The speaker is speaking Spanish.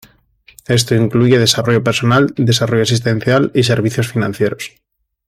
Esto incluye desarrollo personal, desarrollo asistencial y servicios financieros.